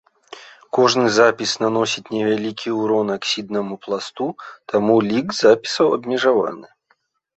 Кожны запіс наносіць невялікі ўрон аксіднаму пласту, таму лік запісаў абмежаваны.